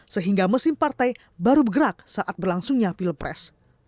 sehingga mesin partai baru bergerak saat berlangsungnya pilpres